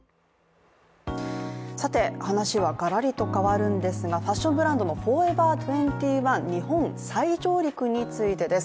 話はがらりと変わるんですが、ファッションブランドのＦＯＲＥＶＥＲ２１、日本再上陸についてです。